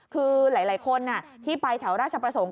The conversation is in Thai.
คือหลายคนที่ไปแถวราชประสงค์